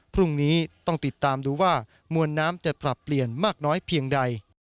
พรุ่งนี้ต้องติดตามดูว่ามวลน้ำจะปรับเปลี่ยนมากน้อยเพียงใด